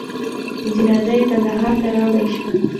جنازه یې کندهار ته راوړل شوه.